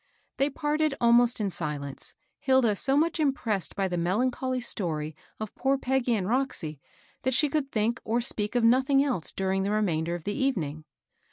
They parted almost in silence, Hilda so much im pressed by the melancholy story of poor Peggy and Roxy that she could think or speak of nothing else during the remainder of tl^ evening.